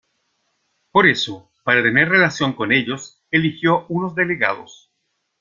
Por eso, para tener relación con ellos, eligió unos delegados.